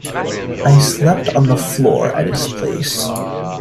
I slept on the floor at his place.